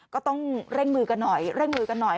ก็ต้องเร่งมือกันหน่อยเร่งมือกันหน่อย